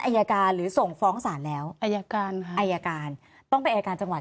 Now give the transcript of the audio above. ละกาลหรือส่งฟ้องสารแล้วอัยการค่ะอัยการต้องไปจังหวัด